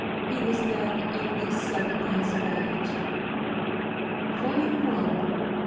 He was then only seven years of age" (vol. i. p.